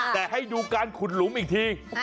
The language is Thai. แต่ให้ดูการขุดหลุมอีกที